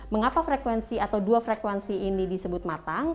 mengapa frekuensi atau dua frekuensi ini disebut matang